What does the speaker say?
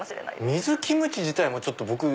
水キムチ自体もちょっと僕。